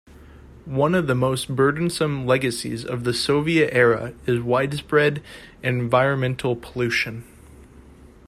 One of the most burdensome legacies of the Soviet era is widespread environmental pollution.